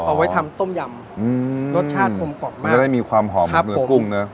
เอาไว้ทำต้มยำอืมรสชาติกลมกล่อมมากไม่ได้มีความหอมเนื้อกุ้งเนอะ